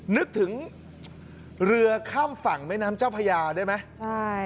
นึกถึงเรือข้ามฝั่งแม่น้ำเจ้าพญาได้ไหมใช่